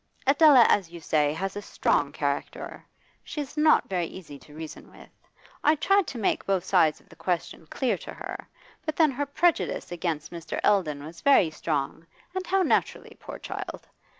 Adela, as you say, has a strong character; she is not very easy to reason with. I tried to make both sides of the question clear to her. But then her prejudice against Mr. Eldon was very strong, and how naturally, poor child!